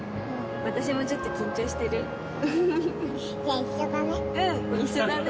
私もちょっと緊じゃあ、一緒だね。